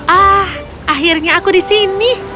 ah akhirnya aku di sini